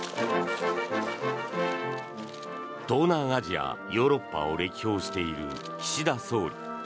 東南アジア、ヨーロッパを歴訪している岸田総理。